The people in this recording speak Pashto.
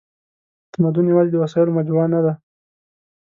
تمدن یواځې د وسایلو مجموعه نهده.